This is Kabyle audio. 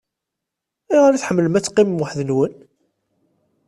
Ayɣer i tḥemmlem ad teqqimem weḥd-nwen?